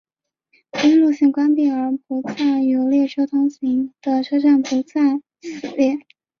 因线路关闭而不再有列车通行的车站不在此列。